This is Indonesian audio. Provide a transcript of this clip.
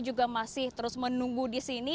juga masih terus menunggu di sini